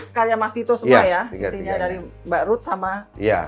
jadi semua karya mas tito semua ya